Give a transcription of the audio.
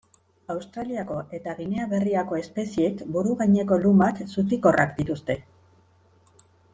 Australiako eta Ginea Berriako espeziek buru gaineko lumak zutikorrak dituzte.